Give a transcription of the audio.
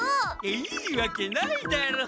いいわけないだろ。